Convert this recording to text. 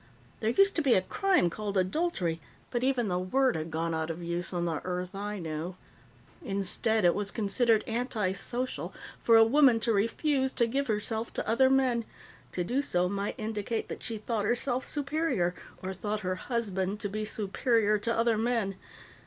There used to be a crime called 'adultery,' but even the word had gone out of use on the Earth I knew. Instead, it was considered antisocial for a woman to refuse to give herself to other men; to do so might indicate that she thought herself superior or thought her husband to be superior to other men.